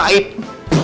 ya takut sama api